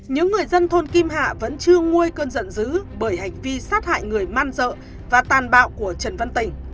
những người dân thôn kim hạ vẫn chưa nguôi cơn giận dữ bởi hành vi sát hại người man dợ và tàn bạo của trần văn tình